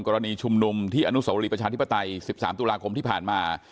กรณีชุมนุมที่อนุสวรีประชาธิปไตย๑๓ตุลาคมที่ผ่านมา